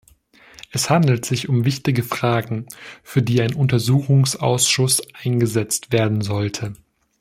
Es handelt sich um wichtige Fragen, für die ein Untersuchungsausschuss eingesetzt werden sollte.